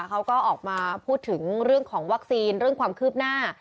เขาก็ออกมาพูดถึงเรื่องของวัคซีนเรื่องความคืบหน้า